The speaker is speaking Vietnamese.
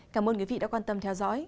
cảm ơn quý vị đã quan tâm theo dõi